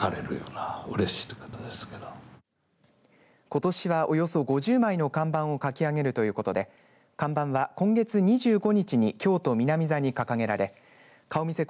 ことしはおよそ５０枚の看板を書き上げるということで看板は今月２５日に京都、南座に掲げられ顔見世